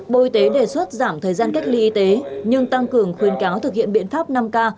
bộ y tế đề xuất giảm thời gian cách ly y tế nhưng tăng cường khuyến cáo thực hiện biện pháp năm k